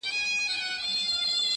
• د رستمانو په نکلونو به ملنډي وهي,